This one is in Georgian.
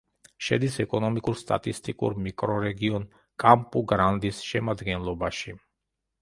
შედის ეკონომიკურ-სტატისტიკურ მიკრორეგიონ კამპუ-გრანდის შემადგენლობაში.